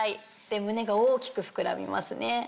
胸が大きく膨らみますね。